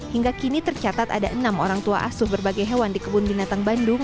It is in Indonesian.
hingga kini tercatat ada enam orang tua asuh berbagai hewan di kebun binatang bandung